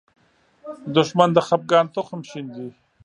دښمن د خپګان تخم شیندي